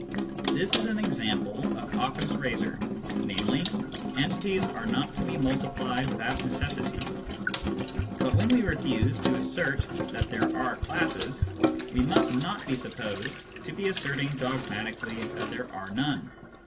This is an example of Occam's razor, namely, " entities are not to be multiplied without necessity." But when we refuse to assert that there are classes, we must not be supposed to be asserting dogmatically that there are none.